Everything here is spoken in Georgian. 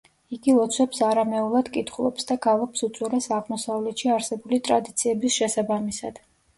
იგი ლოცვებს არამეულად კითხულობს და გალობს უძველეს აღმოსავლეთში არსებული ტრადიციების შესაბამისად.